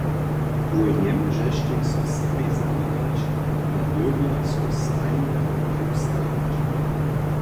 Wój njemóžeštej so samej zaběrać, ja dyrbjach so stajnje wo waju starać.